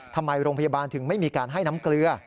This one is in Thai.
ทำไมโรงพยาบาลถึงไม่มีการให้น้ำเกลือ